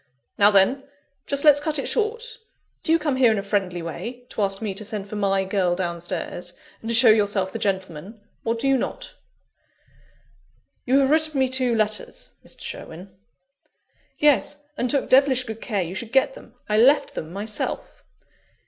Now then! just let's cut it short do you come here in a friendly way, to ask me to send for my girl downstairs, and to show yourself the gentleman, or do you not?" "You have written me two letters, Mr. Sherwin " "Yes: and took devilish good care you should get them I left them myself."